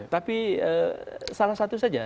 tapi salah satu saja